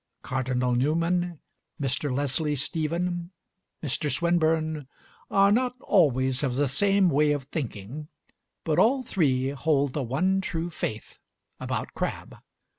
Cardinal Newman, Mr. Leslie Stephen, Mr. Swinburne, are not always of the same way of thinking, but all three hold the one true faith about Crabbe.